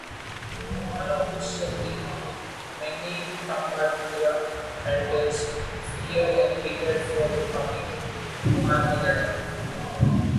Unofficially many Camarilla elders fear and prepare for the coming armageddon.